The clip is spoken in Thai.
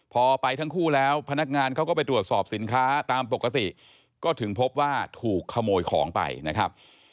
พอไปทั้งคู่แล้วพนักงานเขาก็ไปตรวจสอบสินค้าตามปกติก็ถึงพบว่าถูกขโมยของไปนะครับ